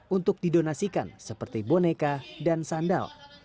untuk didonasikan seperti boneka dan sandal